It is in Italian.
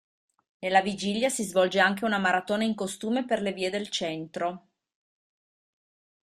Nella vigilia si svolge anche una maratona in costume per le vie del centro.